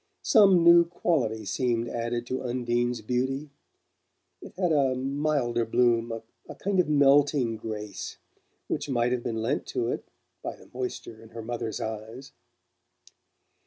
Some new quality seemed added to Undine's beauty: it had a milder bloom, a kind of melting grace, which might have been lent to it by the moisture in her mother's eyes.